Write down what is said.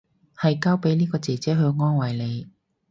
係交俾呢個姐姐去安慰你